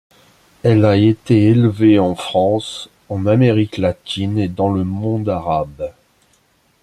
Elle a été élevée en France, en Amérique latine et dans le monde arabe.